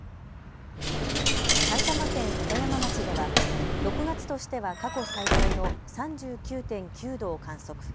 埼玉県鳩山町では６月としては過去最高の３９．９度を観測。